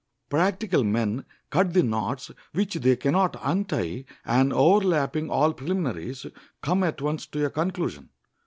Practical men cut the knots which they can not untie, and, overleaping all preliminaries, come at once to a conclusion.